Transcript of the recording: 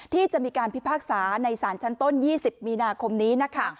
ที่จะมีการพิพากษาในศาลชั้นต้น๒๐มีนาคมนี้นะคะ